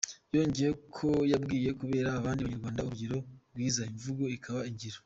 Yongeyeho ko bakwiye kubera abandi Banyarwanda urugero rwiza, imvugo ikaba ingiro.